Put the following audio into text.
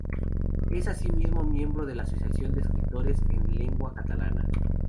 Es asimismo miembro de la Asociación de Escritores en Lengua Catalana.